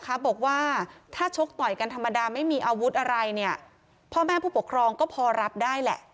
บอกว่าถ้าชกต่อยกันธรรมดาไม่มีอาวุธอะไรเนี่ยพ่อแม่ผู้ปกครองก็พอรับได้แหละ